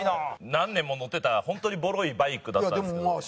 何年も乗ってた本当にボロいバイクだったんですけど。